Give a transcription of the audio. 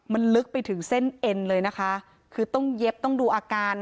มันลึกไปถึงเส้นเอ็นเลยนะคะคือต้องเย็บต้องดูอาการ